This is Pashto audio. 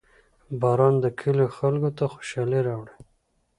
• باران د کلیو خلکو ته خوشحالي راوړي.